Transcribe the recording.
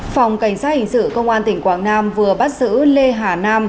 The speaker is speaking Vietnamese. phòng cảnh sát hình sự công an tỉnh quảng nam vừa bắt giữ lê hà nam